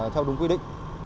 theo đúng quy định